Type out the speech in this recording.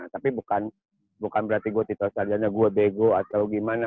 tapi bukan berarti gue tito sarjana gue bego atau gimana